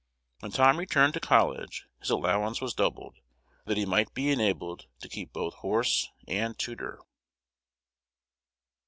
When Tom returned to college his allowance was doubled, that he might be enabled to keep both horse and tutor.